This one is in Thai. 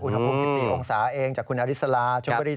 อุณหภูมิ๑๔องศาเองจากคุณอริสรา